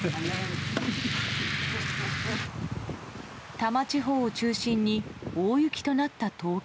多摩地方を中心に大雪となった東京。